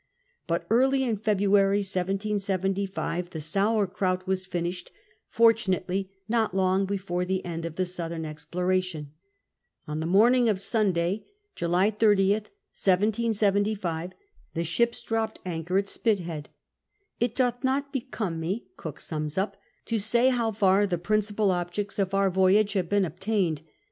But early in February 1775 the sour krout was finished, fortunately not long before the end of the southern exploration. On the morning of Sunday, July 30th, 1775, the ships dropped anchor at Spithea<l. It doth not hecuiue me (Cook sums up) to say how far the principal objects of our voyage have been obtained.